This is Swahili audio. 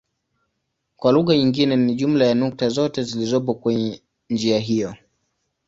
Kwa lugha nyingine ni jumla ya nukta zote zilizopo kwenye njia hiyo.